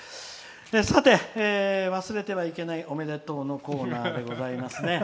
さて、忘れてはいけないおめでとうのコーナーでございます。